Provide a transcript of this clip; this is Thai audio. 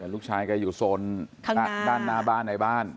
ลูกชายแกอยู่โซนด้านหน้าบ้านในบ้าน